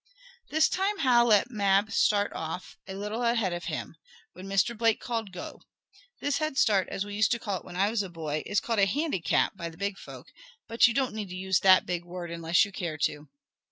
This time Hal let Mab start off a little ahead of him, when Mr. Blake called "Go!" This "head start," as we used to call it when I was a boy, is called a "handicap" by the big folk, but you don't need to use that big word, unless you care to.